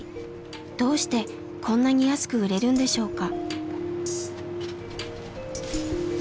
どうしてこんなに安く売れるんでしょうか。